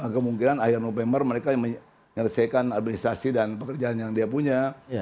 kemungkinan akhir november mereka yang menyelesaikan administrasi dan pekerjaan yang dia punya